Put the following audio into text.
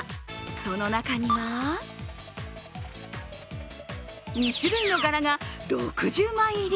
その中には２種類の柄が６０枚入り。